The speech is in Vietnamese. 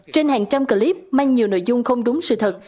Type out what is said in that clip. trên hàng trăm clip mang nhiều nội dung không đúng sự thật